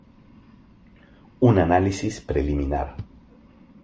Un análisis preliminar.